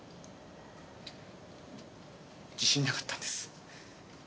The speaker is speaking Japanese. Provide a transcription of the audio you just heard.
自信なかったんです。